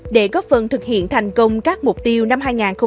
để góp phần thực hiện thành công các mục tiêu năm hai nghìn hai mươi